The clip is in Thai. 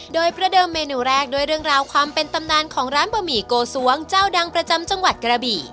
โดยประเดิมเมนูแรกด้วยเรื่องราวความเป็นตำนานของร้านบะหมี่โกสวงเจ้าดังประจำจังหวัดกระบี่